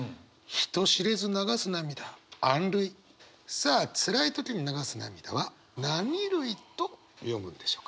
さあつらい時に流す涙は何涙と読むんでしょうか？